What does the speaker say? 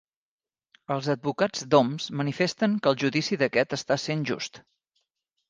Els advocats d'Homs manifesten que el judici d'aquest està sent just